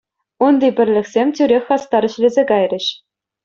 Унти пӗрлӗхсем тӳрех хастар ӗҫлесе кайрӗҫ.